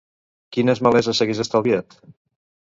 Quines maleses s'hagués estalviat?